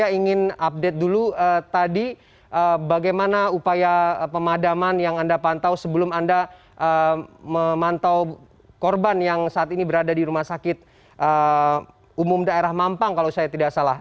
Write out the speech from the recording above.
saya ingin update dulu tadi bagaimana upaya pemadaman yang anda pantau sebelum anda memantau korban yang saat ini berada di rumah sakit umum daerah mampang kalau saya tidak salah